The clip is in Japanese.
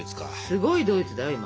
すごいドイツだよ